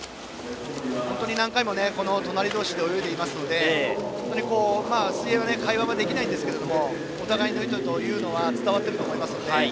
何回も隣同士で泳いでいるので水泳は会話はできないんですけどお互いの意図は伝わっていると思いますので。